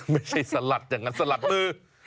ไม่ใช่สลัดอย่างนั้นสลัดมือ